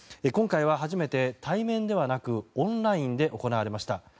今回は初めて対面ではなくオンラインで行われました。